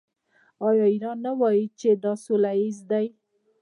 آیا ایران نه وايي چې دا سوله ییز دی؟